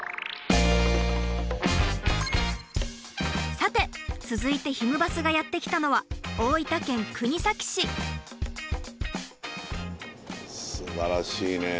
さて続いてひむバスがやって来たのはすばらしいね。